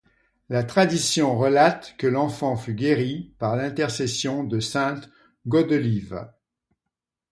La tradition relate que l'enfant fut guérie par l'intercession de sainte Godelieve.